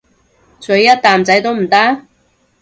咀一啖仔都唔得？